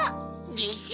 でしょ！